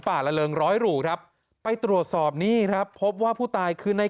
ละเริงร้อยหรูครับไปตรวจสอบนี่ครับพบว่าผู้ตายคือใน